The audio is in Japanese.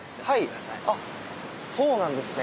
あっそうなんですね。